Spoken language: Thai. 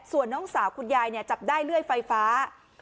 ส่วนน้องสาวจับได้เลื่อยไฟฟ้า